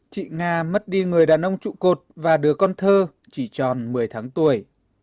chị nga mất đi người đàn ông trụ cột và đứa con thơ chỉ tròn một mươi tháng tuổi